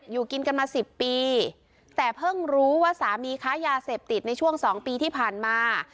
อยู่กินกันมาสิบปีแต่เพิ่งรู้ว่าสามีค้ายาเสพติดในช่วง๒ปีที่ผ่านมา